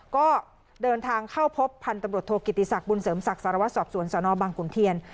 ก็เดินทางเข้าพบพันธุ์ตำรวจโทกิติศักดิบุญเสริมศักดิสารวัตรสอบสวนสนบังขุนเทียน